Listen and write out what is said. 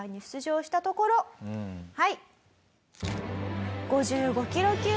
はい。